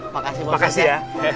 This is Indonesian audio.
makasih pak ustadz